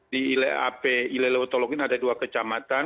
di ile ape ile lautologin ada dua kecamatan